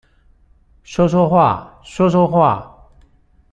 說說話，說說話